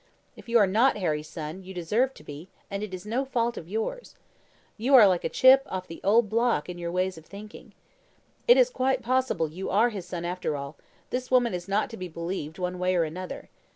If you are not Harry's son, you deserve to be, and it is no fault of yours. You are like a chip of the old block in your ways of thinking. It is quite possible you are his son after all: this woman is not to be believed one way or another.